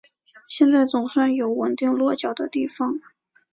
现在总算有稳定落脚的地方